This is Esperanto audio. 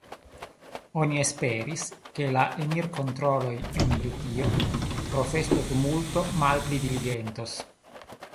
Oni esperis, ke la enir-kontroloj en Britio pro festo-tumulto malpli diligentos.